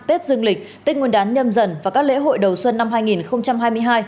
tết dương lịch tết nguyên đán nhâm dần và các lễ hội đầu xuân năm hai nghìn hai mươi hai